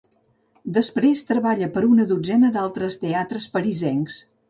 Després treballa per a una dotzena d'altres teatres parisencs.